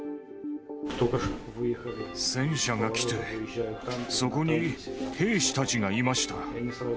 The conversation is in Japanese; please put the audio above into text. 戦車が来て、そこに兵士たちがいました。